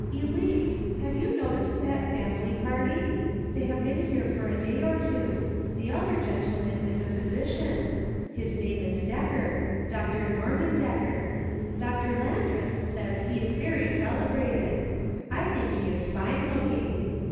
Elice, have you noticed that family party } They have been here for a day or two. The elder gentleman is a physician ;,his "THAT BEATS ME !" 333 name is Decker — Doctor Norman Decker. Dr. Landress says he is very celebrated. I think he is fine looking.